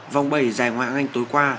vòng bảy giải ngoài hạng anh tối qua